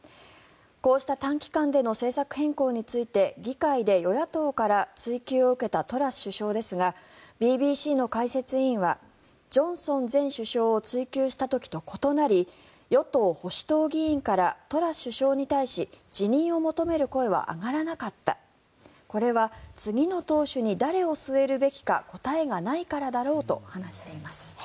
こうした短期間での政策変更について議会で与野党から追及を受けたトラス首相ですがＢＢＣの解説委員はジョンソン前首相を追及した時と異なり与党・保守党議員からトラス首相に対し辞任を求める声は上がらなかったこれは次の党首に誰を据えるべきか答えがないからだろうと話しています。